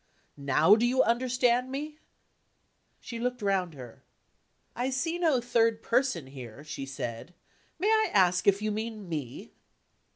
Now, do you understand me?" She looked round her. "I see no third person here," she said. "May I ask if you mean me?"